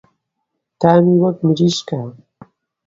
تامی وەک مریشکە.